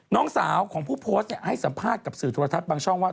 น้องสาวของผู้โพสต์ให้สัมภาษณ์กับสื่อโทรทัศน์บางช่องว่า